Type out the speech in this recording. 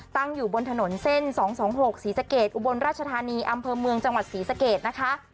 ตั้งอยู่บนถนนเส้น๒๒๖ศรีสะเกดอุบลราชธานีอำเภอเมืองจังหวัดศรีสะเกดนะคะ